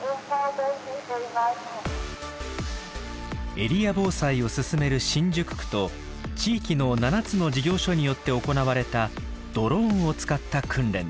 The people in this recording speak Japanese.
エリア防災を進める新宿区と地域の７つの事業所によって行われたドローンを使った訓練です。